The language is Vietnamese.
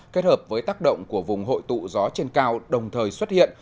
kết hợp với tác động của vùng hội tụ gió trên cao đồng thời xuất hiện